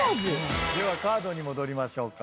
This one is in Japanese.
ではカードに戻りましょうか。